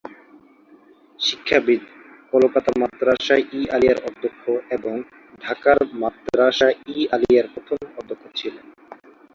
শিক্ষাবিদ, কলকাতা মাদ্রাসা-ই-আলিয়ার অধ্যক্ষ এবং ঢাকার মাদ্রাসা-ই-আলিয়ার প্রথম অধ্যক্ষ ছিলেন।